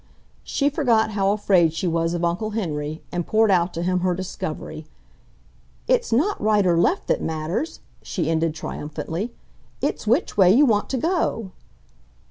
She forgot how afraid she was of Uncle Henry, and poured out to him her discovery. "It's not right or left that matters!" she ended triumphantly; "it's which way you want to go!"